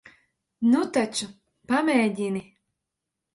Nu taču, pamēģini.